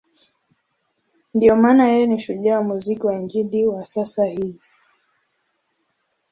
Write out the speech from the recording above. Ndiyo maana yeye ni shujaa wa muziki wa Injili wa sasa hizi.